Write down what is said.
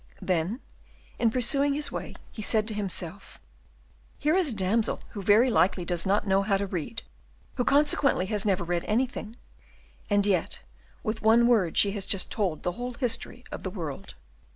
Then, in pursuing his way, he said to himself, "Here is a damsel who very likely does not know how to read, who consequently has never read anything, and yet with one word she has just told the whole history of the world."